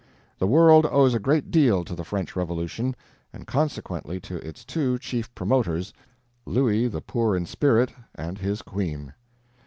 The world owes a great deal to the French Revolution, and consequently to its two chief promoters, Louis the Poor in Spirit and his queen.